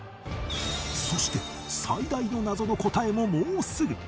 そして最大の謎の答えももうすぐ